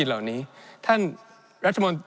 ในช่วงที่สุดในรอบ๑๖ปี